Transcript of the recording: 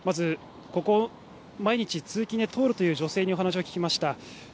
まずここを毎日通勤で通るという女性にお話を聞きました。